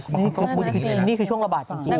เขาก็พูดอย่างนี้เลยนะครับนี่คือช่วงระบาดจริง